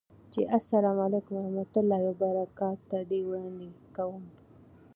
چې اسلام علیکم ورحمة الله وبرکاته ده، وړاندې کوم